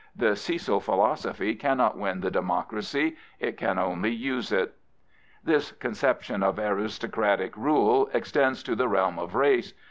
The Cecil philosophy cannot win the democracy: it can only use it. This conception of aristocratic rule extends to the realm of race.